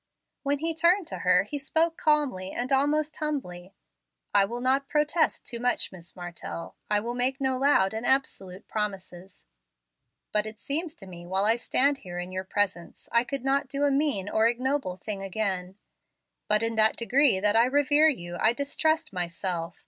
When he turned to her, he spoke calmly, and almost humbly: "I will not protest too much, Miss Martell. I will make no loud and absolute promises, but it seems to me, while I stand here in your presence, I could not do a mean or ignoble thing again. But in that degree that I revere you, I distrust myself.